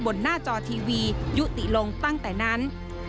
หน้าจอทีวียุติลงตั้งแต่นั้น